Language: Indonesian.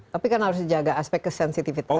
tapi kan harus dijaga aspek kesensitifitas itu